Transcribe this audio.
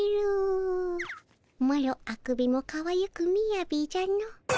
マロあくびもかわゆくみやびじゃの。